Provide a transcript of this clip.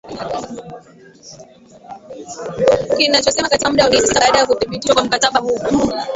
kinachosema Katika muda wa miezi sita baada ya kuthibitishwa kwa mkataba huu